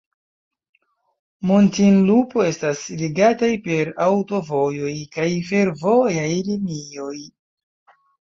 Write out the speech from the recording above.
Muntinlupo estas ligataj per aŭtovojoj kaj fervojaj linioj.